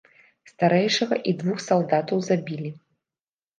Старэйшага і двух салдатаў забілі.